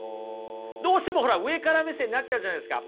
どうしてもほら上から目線になっちゃうじゃないですか。